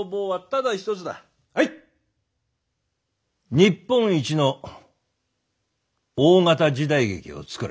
日本一の大型時代劇を作れ。